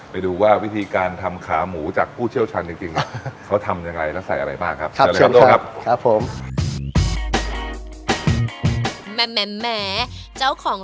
ไปดูวิธีการทำขาหมูจากผู้เชี่ยวชรรย์จริง